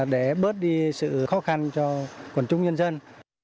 để bớt đi sự khó khăn cho quần chúng nhân dân